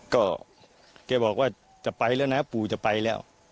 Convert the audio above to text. ก็แกบอกว่าจะไปแล้วนะปู่จะไปแล้ว